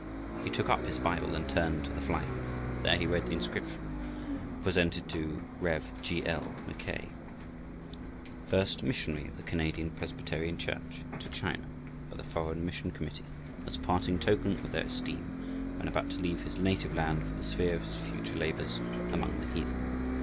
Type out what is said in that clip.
He took up his Bible and turned to the fly leaf. There he read the inscription: Presented to REV. G. L. MACKAY First missionary of the Canadian Presbyterian Church to China, by the Foreign Mission Committee, as a parting token of their esteem, when about to leave his native land for the sphere of his future labors among the heathen.